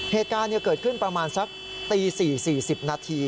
เหตุการณ์เกิดขึ้นประมาณสักตี๔๔๐นาที